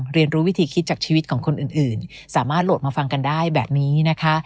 เรียนรู้วิธีคิดจากชีวิตของคนอื่นสามารถโหลดมาฟังกันได้แบบนี้นะคะ